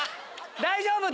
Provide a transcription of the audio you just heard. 大丈夫？